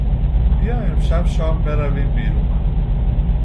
بیا امشب شام برویم بیرون!